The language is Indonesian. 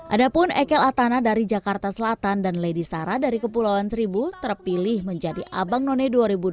ada pun ekel atana dari jakarta selatan dan lady sara dari kepulauan seribu terpilih menjadi abang none dua ribu dua puluh